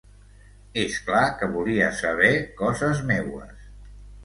És clar que volia saber coses meues.